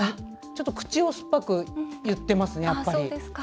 ちょっと口を酸っぱく言ってますね、やっぱり。